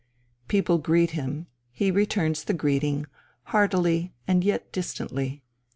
People greet him; he returns the greeting, heartily and yet distantly.